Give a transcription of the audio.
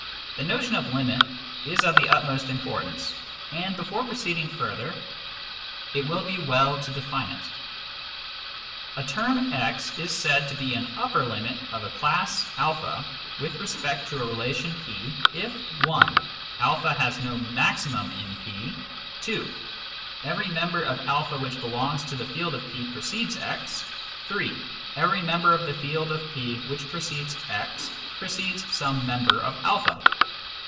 The notion of " limit " is of the utmost importance, and before proceeding further it will be well to define it. A term x is said to be an " upper limit " of a class a with respect to a relation P if (i) a has no maximum in P, (2) every member of a which belongs to the field of P precedes x, (3) every member of the field of P which precedes x precedes some member of a.